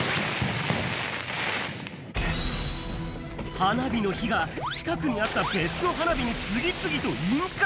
花火の火が近くにあった別の花火に次々と引火。